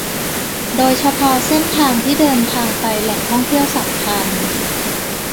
โดยเฉพาะเส้นทางที่เดินทางไปแหล่งท่องเที่ยวสำคัญ